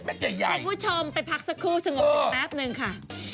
แป๊บหนึ่งค่ะ